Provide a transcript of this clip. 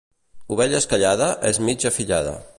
Ovella esquellada és mig afillada.